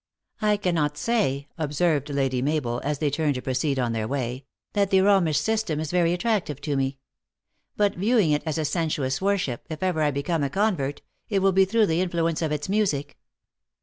" I cannot say," observed Lady Mabel, as they turned to proceed on their way, " that the Romish system is very attractive to me. But, viewing it as a sensuous worship, if ever I become a convert, it will be through the influence of its music."